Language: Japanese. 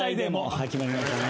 はい決まりましたね。